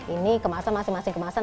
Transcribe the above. ini kemasan masing masing kemasan